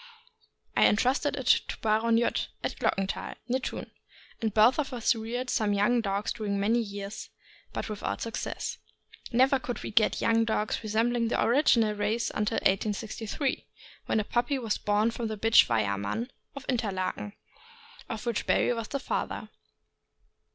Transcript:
I entrusted it to Baron Judd, at Glockenthal, near Thun, and both of us reared some young dogs during many years, but without success. Never could we get young dogs resembling the original race until 1863, when a puppy was born from the bitch Weyerman, of Interlaken, of which Barry was the father.